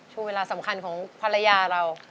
ช่วงเวลาสำคัญของภรรยาเรา